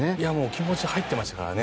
気持ち入ってましたからね。